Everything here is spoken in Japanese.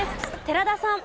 寺田さん。